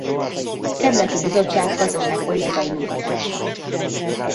Kerületi Bizottság gazdaságpolitikai munkatársa.